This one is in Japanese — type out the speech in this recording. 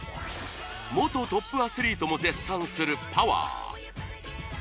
元トップアスリートも絶賛するパワー